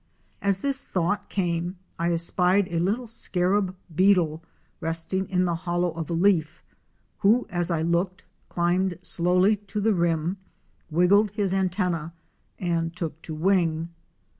As this thought came I espied a little scarab beetle resting in the hollow of a leaf, who, as I looked, climbed slowly to the rim, wriggled his antenne and took to wing.